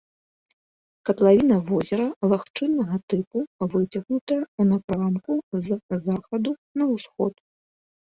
Катлавіна возера лагчыннага тыпу, выцягнутая ў напрамку з захаду на ўсход.